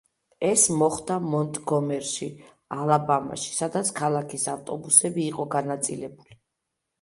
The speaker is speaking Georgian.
ეს მოხდა მონტგომერში, ალაბამაში, სადაც ქალაქის ავტობუსები იყო განაწილებული.